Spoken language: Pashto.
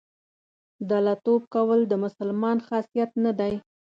دله توب کول د مسلمان خاصیت نه دی.